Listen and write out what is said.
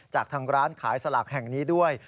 จากทางร้านขายสลากแห่งนี้ด้วย